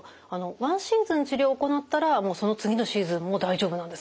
ワンシーズン治療を行ったらもうその次のシーズンも大丈夫なんですか？